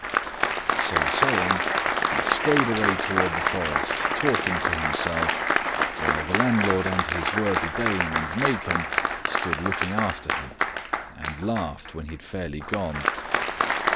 So saying, he strode away toward the forest, talking to himself, while the landlord and his worthy dame and Maken stood looking after him, and laughed when he had fairly gone.